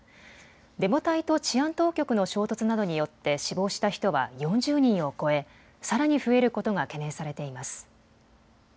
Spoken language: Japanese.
デモ隊と治安当局の衝突などによって死亡した人は４０人を超えさらに増えることが懸念されています。